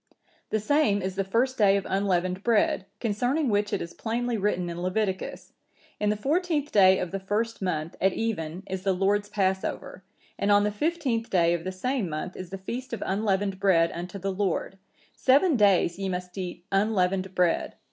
The same is the first day of unleavened bread, concerning which it is plainly written in Leviticus,(962) 'In the fourteenth day of the first month, at even, is the Lord's Passover. And on the fifteenth day of the same month is the feast of unleavened bread unto the Lord; seven days ye must eat unleavened bread.